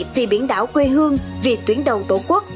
vì biển đảo quê hương vì tuyến đầu tổ quốc